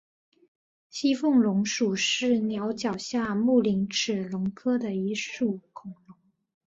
西风龙属是鸟脚下目棱齿龙科的一属恐龙。